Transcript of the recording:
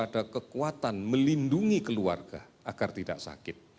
ada kekuatan melindungi keluarga agar tidak sakit